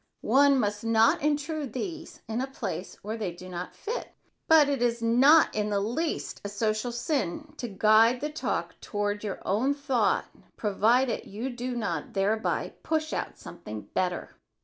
One must not intrude these in a place where they do not fit, but it is not in the least a social sin to guide the talk toward your own thought provided you do not thereby push out something better.